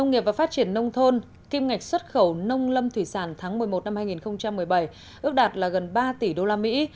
nông nghiệp và phát triển nông thôn kim ngạch xuất khẩu nông lâm thủy sản tháng một mươi một năm hai nghìn một mươi bảy ước đạt là gần ba tỷ đô la mỹ